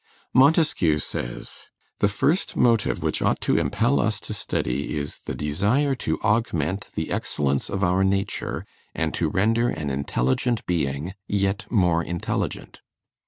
Montesquieu says: "The first motive which ought to impel us to study is the desire to augment the excellence of our nature, and to render an intelligent being yet more intelligent."